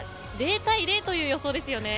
０対０という予想ですよね。